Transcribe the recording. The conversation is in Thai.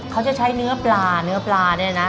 เขาจะใช้เนื้อปลาเนื้อปลาเนี่ยนะ